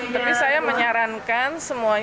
tapi saya menyarankan semuanya